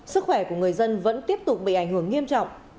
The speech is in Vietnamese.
sức khỏe của người dân vẫn tiếp tục bị ảnh hưởng nghiêm trọng